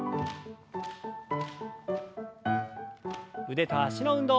腕と脚の運動。